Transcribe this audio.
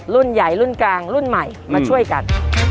รุ่นใหญ่รุ่นกลางรุ่นใหม่มาช่วยกัน